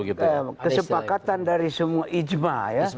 kesepakatan dari semua ijma